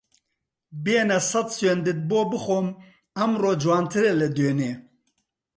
بێنە سەد سوێندت بۆ بخۆم ئەمڕۆ جوانترە لە دوێنێ